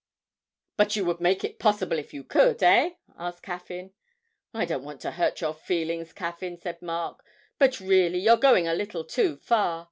'But you would make it possible if you could, eh?' asked Caffyn. 'I don't want to hurt your feelings, Caffyn,' said Mark, 'but really you're going a little too far.